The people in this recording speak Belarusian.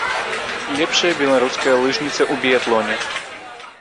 Лепшая беларуская лыжніца ў біятлоне!